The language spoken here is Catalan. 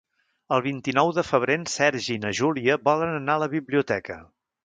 El vint-i-nou de febrer en Sergi i na Júlia volen anar a la biblioteca.